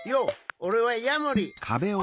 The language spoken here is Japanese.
おれはヤモリ！